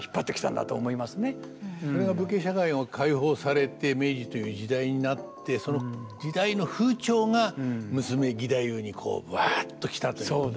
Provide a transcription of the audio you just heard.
それが武家社会が解放されて明治という時代になってその時代の風潮が娘義太夫にぶわっと来たということなのかもしれませんね。